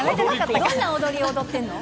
どんな踊りを踊ってるの？